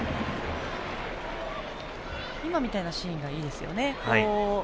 今みたいなシーンがいいですよね。